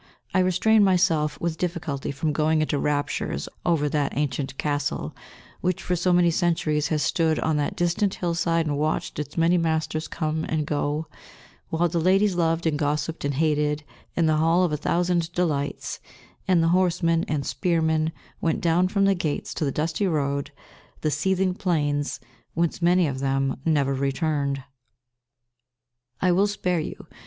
I restrain myself with difficulty from going into raptures over that ancient castle, which, for so many centuries, has stood on that distant hillside and watched its many masters come and go, while the ladies loved, and gossiped, and hated, in the Hall of a Thousand Delights, and the horsemen and spearmen went down from the gates to the dusty road, the seething plains, whence many of them never returned. I will spare you.